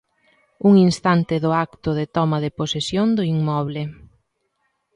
Un instante do acto de toma de posesión do inmoble.